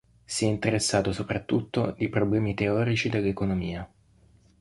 Si è interessato soprattutto di problemi teorici dell'economia.